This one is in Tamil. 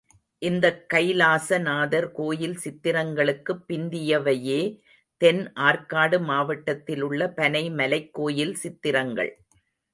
இந்தக் கைலாச நாதர் கோயில் சித்திரங்களுக்குப் பிந்தியவையே தென் ஆர்க்காடு மாவட்டத்தில் உள்ள பனைமலைக் கோயில் சித்திரங்கள்.